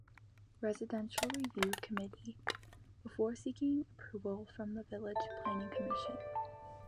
Residential Review Committee before seeking approval from the village planning commission.